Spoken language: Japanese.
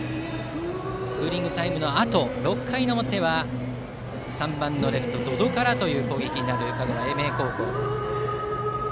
クーリングタイムのあと６回の表は３番のレフト、百々からという攻撃になる香川・英明高校です。